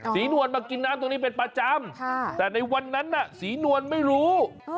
นวลมากินน้ำตรงนี้เป็นประจำแต่ในวันนั้นน่ะศรีนวลไม่รู้